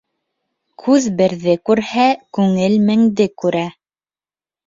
Күҙ берҙе күрһә, күңел менде күрә.